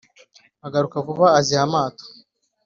agaruka vuba aziha amato